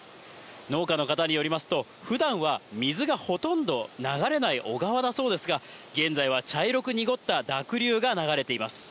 農家の方によりますと、ふだんは水がほとんど流れない小川だそうですが、現在は茶色く濁った濁流が流れています。